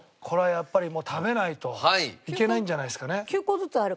これはやっぱりもう食べないといけないんじゃないんですかね。